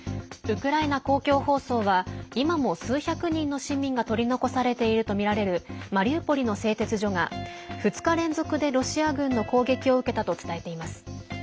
ウクライナ公共放送は今も数百人の市民が取り残されているとみられるマリウポリの製鉄所が２日連続でロシア軍の攻撃を受けたと伝えています。